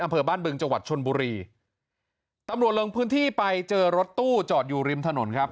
อำเภอบ้านบึงจังหวัดชนบุรีตำรวจลงพื้นที่ไปเจอรถตู้จอดอยู่ริมถนนครับ